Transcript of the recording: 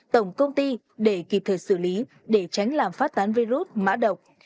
tổng công ty để kịp thời xử lý để tránh làm phát tán virus mã độc